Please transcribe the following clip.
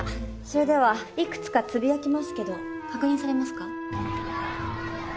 それではいくつかつぶやきますけど確認されますか？